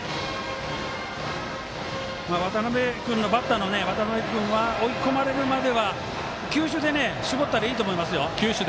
バッターの渡邉君は追い込まれるまでは球種で絞ったらいいと思います。